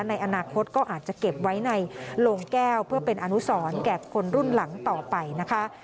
ในอนาคตก็อาจจะเก็บไว้ในโลงแก้วเพื่อเป็นอนุสรแก่คนรุ่นหลังต่อไปนะคะ